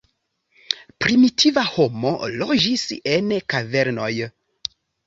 Primitiva homo loĝis en kavernoj.